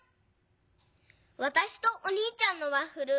わたしとおにいちゃんのワッフル